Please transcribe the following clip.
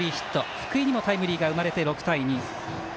福井にもタイムリーが生まれて６対２。